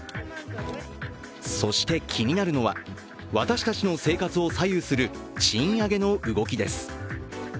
そして、気になるのは私たちの生活を左右する賃上げの動きです。